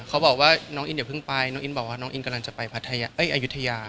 เขาบอกว่าน้องอินอย่าเพิ่งไปน้องอินบอกว่าน้องอินกำลังจะไปพัทอายุทยา